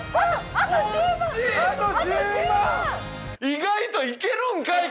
意外といけるんかい！